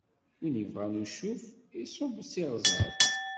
Win ibɣan ucuf, iṣubb s iɣzeṛ!